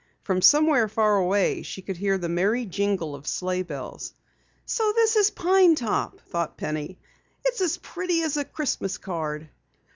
From somewhere far away she could hear the merry jingle of sleigh bells. "So this is Pine Top!" thought Penny. "It's as pretty as a Christmas card!"